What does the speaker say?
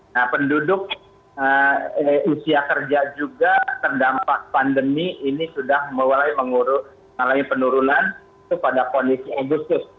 nah penduduk usia kerja juga terdampak pandemi ini sudah mulai mengalami penurunan itu pada kondisi agustus